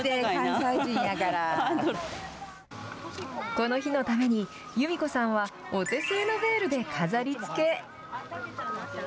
この日のために、由美子さんはお手製のベールで飾り付け。